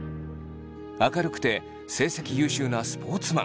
明るくて成績優秀なスポーツマン。